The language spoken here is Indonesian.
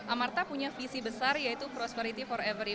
amarta punya visi besar yaitu prosperity for every